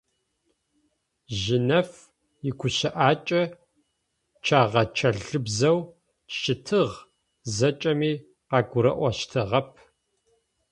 Жьынэф игущыӏакӏэ чӏэгъычӏэлъыбзэу щытыгъ, зэкӏэми къагурыӏощтыгъэп.